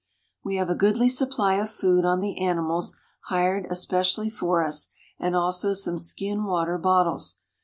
We have a goodly supply of food un the animals hired especially for us, and also some skin water bottles.